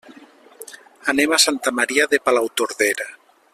Anem a Santa Maria de Palautordera.